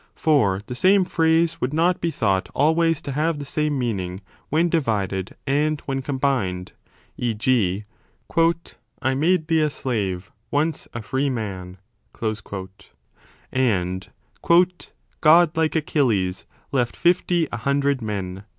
For the same phrase would not 35 be thought always to have the same meaning when divided and when combined, e.g. I made thee a slave once a free man , 3 and God like Achilles left fifty a hundred men